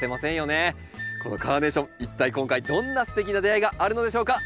このカーネーション一体今回どんなすてきな出会いがあるのでしょうか。